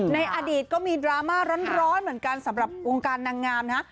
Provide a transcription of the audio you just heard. ในอดีตก็มีดราม่าร้อนเหมือนกันสำหรับวงการนางงามนะฮะ